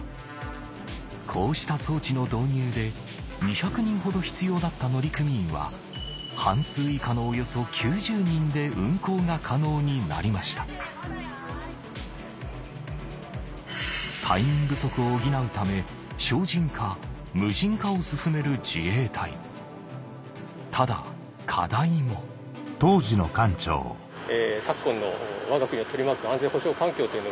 こうした装置の導入で２００人ほど必要だった乗組員は半数以下のおよそ９０人で運航が可能になりました隊員不足を補うためを進める自衛隊ただ課題も敬礼！